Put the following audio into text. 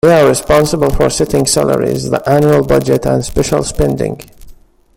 They are responsible for setting salaries, the annual budget, and special spending.